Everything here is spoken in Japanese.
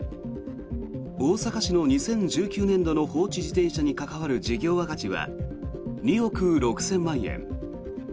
大阪市の２０１９年度の放置自転車に関わる事業赤字は２億６０００万円。